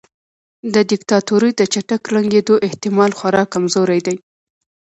د دیکتاتورۍ د چټک ړنګیدو احتمال خورا کمزوری دی.